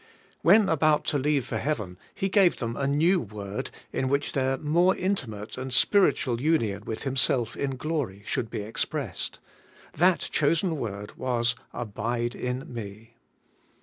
'* When about to leave for heaven, He gave them a new word, in which their more intimate and spiritual union with Himself in glory should be expressed. That chosen word was: 'Abide in me.'